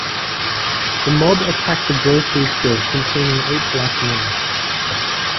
The mob attacked a grocery store containing eight black men.